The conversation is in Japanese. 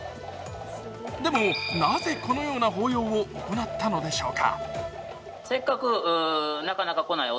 でも、なぜこのような法要を行ったのでしょうか。